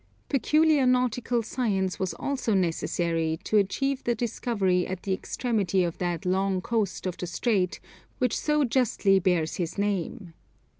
Peculiar nautical science was also necessary to achieve the discovery at the extremity of that long coast of the strait which so justly bears his name.